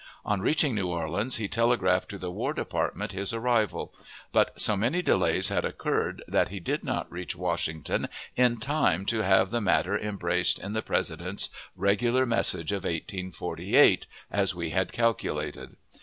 On reaching New Orleans, he telegraphed to the War Department his arrival; but so many delays had occurred that he did not reach Washington in time to have the matter embraced in the President's regular message of 1848, as we had calculated.